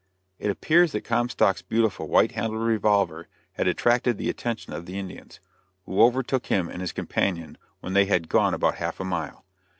It appears that Comstock's beautiful white handled revolver had attracted the attention of the Indians, who overtook him and his companion when they had gone about half a mile.